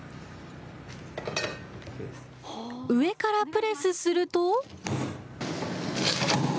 上からプレスすると。